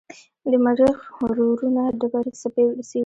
د مریخ روورونه ډبرې څېړي.